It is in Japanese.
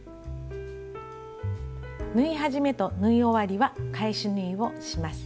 縫い始めと縫い終わりは返し縫いをします。